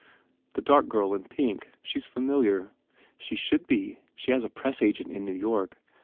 "The dark girl in pink. She s familiar." "She should be. She has a press agent in New York.